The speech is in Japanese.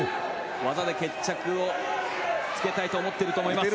技で決着をつけたいと思っていると思います。